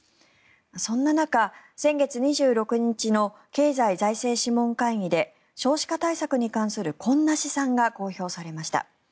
そんな中、先月２６日の経済財政諮問会議で少子化対策に関するこんな試算が公表されました。